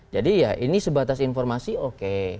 jadi ya ini sebatas informasi oke